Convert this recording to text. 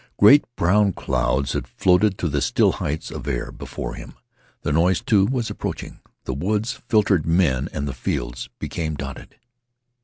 Great brown clouds had floated to the still heights of air before him. The noise, too, was approaching. The woods filtered men and the fields became dotted.